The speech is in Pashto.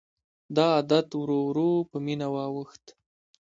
دا عادت ورو ورو په مینه واوښت.